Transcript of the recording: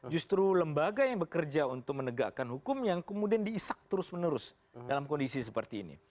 justru lembaga yang bekerja untuk menegakkan hukum yang kemudian diisak terus menerus dalam kondisi seperti ini